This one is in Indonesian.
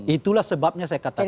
itulah sebabnya saya katakan